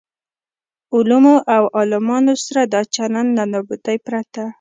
علومو او عالمانو سره دا چلن له نابودۍ پرته.